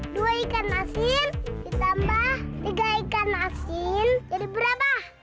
dua ikan nasi ditambah tiga ikan nasi jadi berapa